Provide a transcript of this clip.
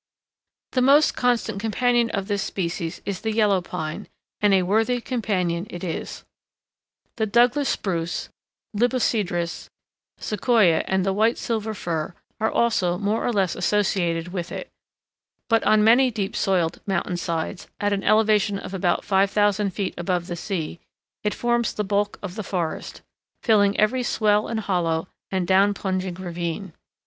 The most constant companion of this species is the Yellow Pine, and a worthy companion it is. [Illustration: FOREST OF SEQUOIA, SUGAR PINE, AND DOUGLAS SPRUCE.] The Douglas Spruce, Libocedrus, Sequoia, and the White Silver Fir are also more or less associated with it; but on many deep soiled mountain sides, at an elevation of about 5000 feet above the sea, it forms the bulk of the forest, filling every swell and hollow and down plunging ravine.